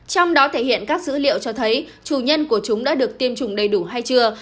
trong đó thể hiện các dữ liệu cho thấy chủ nhân của chúng đã được tiêm chủng đầy đủ hay chưa